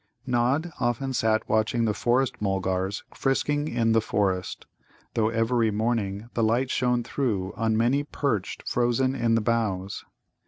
Nod often sat watching the Forest mulgars frisking in the forest, though every morning the light shone through on many perched frozen in the boughs.